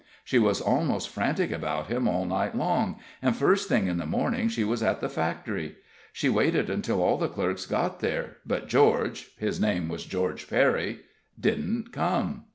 She was almost frantic about him all night long, and first thing in the morning she was at the factory. She waited until all the clerks got there, but George his name was George Perry didn't come.